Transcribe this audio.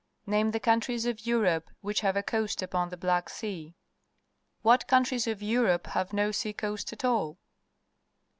Name the countries of Europe which have a coast upon the Black Sea. What countries of Europe have no sea coast at all